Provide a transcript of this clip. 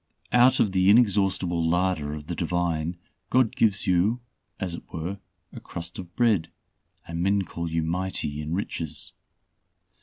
Out of the inexhaustible larder of the Divine, God gives you as it were a crust of bread, and men call you mighty in riches.